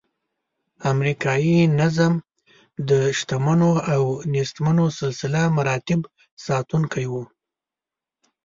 امریکایي نظم د شتمنو او نیستمنو سلسله مراتبو ساتونکی و.